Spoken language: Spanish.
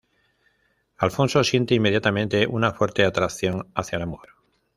Alfonso siente inmediatamente una fuerte atracción hacia la mujer.